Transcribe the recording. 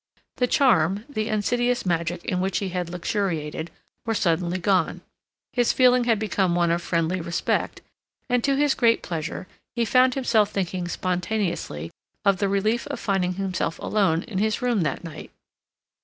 The charm, the insidious magic in which he had luxuriated, were suddenly gone; his feeling had become one of friendly respect, and to his great pleasure he found himself thinking spontaneously of the relief of finding himself alone in his room that night.